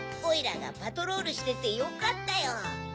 おいらがパトロールしててよかったよ。